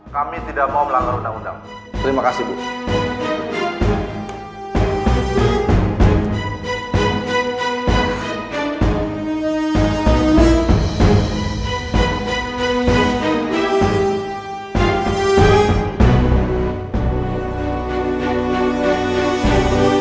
kami tidak mau melanggar undang undang